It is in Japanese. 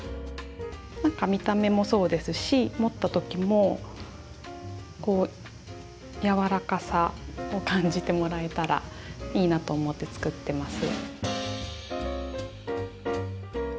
何か見た目もそうですし持った時も柔らかさを感じてもらえたらいいなと思って作ってます。